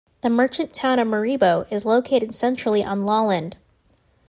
The merchant town of Maribo is located centrally on Lolland.